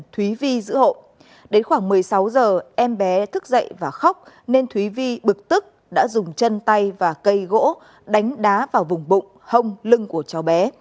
thúy vi giữ hộ đến khoảng một mươi sáu giờ em bé thức dậy và khóc nên thúy vi bực tức đã dùng chân tay và cây gỗ đánh đá vào vùng bụng hông lưng của cháu bé